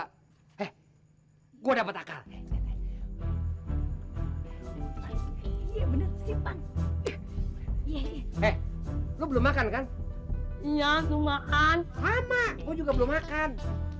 lo belum makan kan iya makan sama juga belum makan